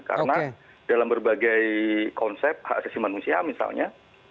karena dalam berbagai konsep hak asasi manusia misalnya